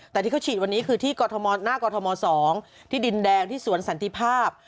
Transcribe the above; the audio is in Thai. แต่ที่เขาฉีดวันนี้คือที่หน้ากรทม๒ที่ดินแดงที่สวนสันติภาพ